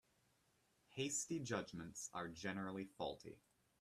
Hasty judgements are generally faulty.